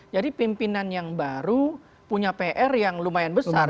jadi pimpinan yang baru punya pr yang lumayan besar